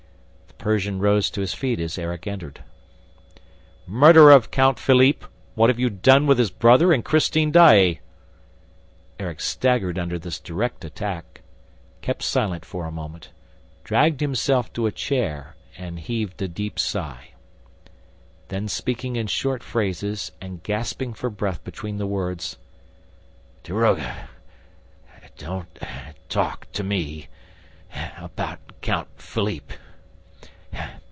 The Persian rose to his feet as Erik entered. "Murderer of Count Philippe, what have you done with his brother and Christine Daae?" Erik staggered under this direct attack, kept silent for a moment, dragged himself to a chair and heaved a deep sigh. Then, speaking in short phrases and gasping for breath between the words: "Daroga, don't talk to me ... about Count Philippe